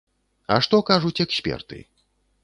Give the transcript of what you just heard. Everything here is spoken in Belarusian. А што кажуць эксперты?